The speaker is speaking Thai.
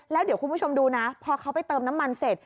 แล้วเดี๋ยวคุณผู้ชมดูนะพอเขาไปเติมน้ำมันเสร็จ